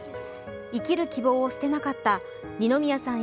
生きる希望を捨てなかった二宮さん